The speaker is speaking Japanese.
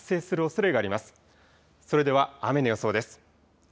それでは雨の予想です。